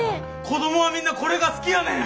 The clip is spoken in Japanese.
子供はみんなこれが好きやねん。